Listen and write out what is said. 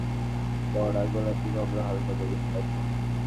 বেছে নিতে পারেন ম্যাজেন্টা, লাল, চড়া গোলাপি, কমলা, হালকা বেগুনি রংগুলো।